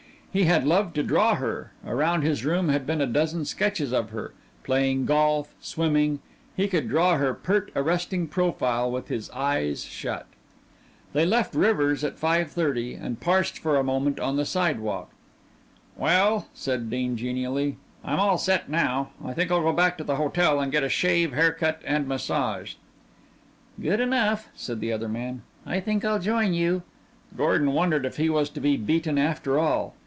He had loved to draw her around his room had been a dozen sketches of her playing golf, swimming he could draw her pert, arresting profile with his eyes shut. They left Rivers' at five thirty and paused for a moment on the sidewalk. "Well," said Dean genially, "I'm all set now. Think I'll go back to the hotel and get a shave, haircut, and massage." "Good enough," said the other man, "I think I'll join you." Gordon wondered if he was to be beaten after all.